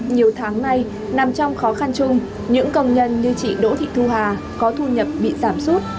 nhiều tháng nay nằm trong khó khăn chung những công nhân như chị đỗ thị thu hà có thu nhập bị giảm sút